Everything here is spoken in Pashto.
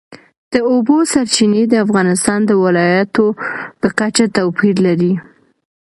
د اوبو سرچینې د افغانستان د ولایاتو په کچه توپیر لري.